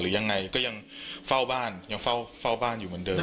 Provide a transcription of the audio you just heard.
ยังไงก็ยังเฝ้าบ้านยังเฝ้าบ้านอยู่เหมือนเดิม